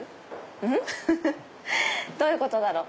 うん？どういうことだろう？